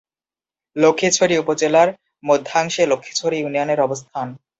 লক্ষ্মীছড়ি উপজেলার মধ্যাংশে লক্ষ্মীছড়ি ইউনিয়নের অবস্থান।